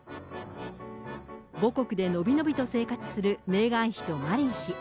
母国で伸び伸びと生活するメーガン妃とマリー妃。